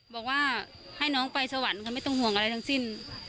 บอกว่าให้น้องไปสวรรค์ค่ะไม่ต้องห่วงอะไรทั้งสิ้น